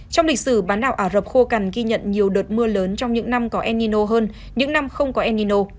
trong lịch sử bán đảo ả rập khô cằn ghi nhận nhiều đợt mưa lớn trong những năm có enino hơn những năm không có enino